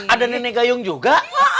ada nenek gayung juga